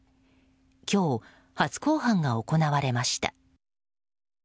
今日、初公判が行われました。